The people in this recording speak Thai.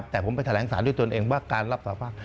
แต่ผมไปแถลงสารด้วยตนเองว่าการรับสารภาพ